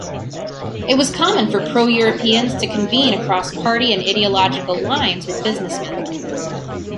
It was common for pro-Europeans to convene across party and ideological lines with businessmen.